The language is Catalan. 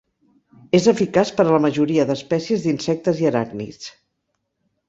És eficaç per a la majoria d'espècies d'insectes i aràcnids.